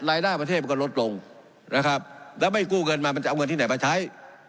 รายได้ประเทศมันก็ลดลงนะครับแล้วไม่กู้เงินมามันจะเอาเงินที่ไหนมาใช้